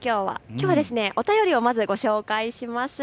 きょうはまずお便りをご紹介します。